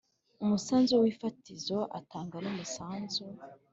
umusanzu w ifatizo atanga n umusanzu